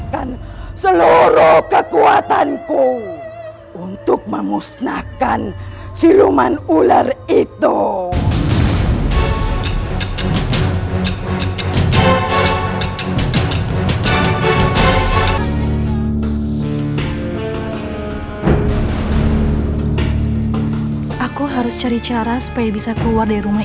kecepatanku untuk memusnahkan siluman ular itu aku harus cari cara supaya bisa keluar dari rumah